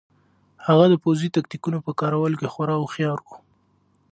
هغه د پوځي تکتیکونو په کارولو کې خورا هوښیار و.